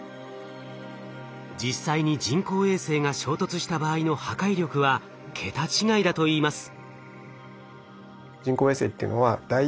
実際に人工衛星が衝突した場合の破壊力は桁違いだといいます。